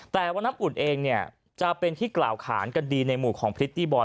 แต่ว่าน้ำอุ่นเองเนี่ยจะเป็นที่กล่าวขานกันดีในหมู่ของพริตตี้บอล